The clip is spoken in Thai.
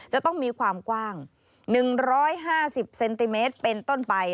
จะต้องมีความกว้าง๑๕๐เซนติเมตรเป็นต้นไป